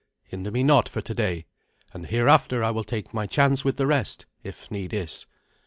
Hinder me not for today, and hereafter I will take my chance with the rest, if need is."